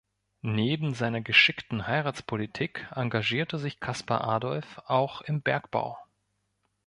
Neben seiner geschickten Heiratspolitik engagierte sich Caspar Adolf auch im Bergbau.